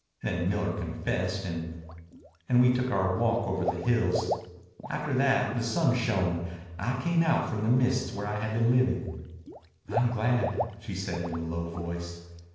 Then Miller confessed and and we took our walk over the hills. After that the sun shone. I came out from the mists where I had been living." "I'm glad," she said in a low voice.